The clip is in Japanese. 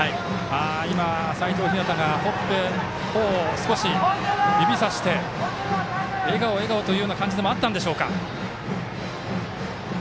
齋藤陽が、ほおを少し指さして笑顔、笑顔というような感じでもあったんでしょうか。